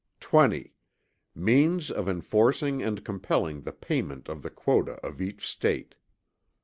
"20. Means of enforcing and compelling the Payment of the Quota of each State."